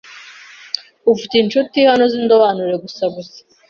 Ufite inshuti hanozindobanure gusa gusa